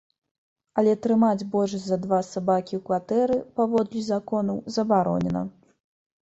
Але трымаць больш за два сабакі ў кватэры, паводле законаў, забаронена.